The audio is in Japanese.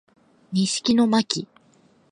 西木野真姫